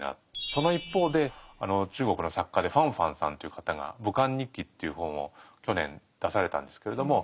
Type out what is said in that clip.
その一方で中国の作家で方方さんという方が「武漢日記」っていう本を去年出されたんですけれども。